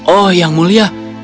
oh yang mulia